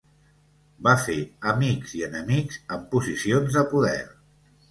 Va fer "amics i enemics en posicions de poder".